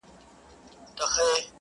مضمون د شرافت دي په معنا لوستلی نه دی-